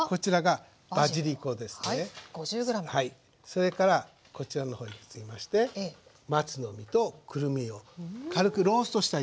それからこちらの方に移りまして松の実とくるみを軽くローストしてあります。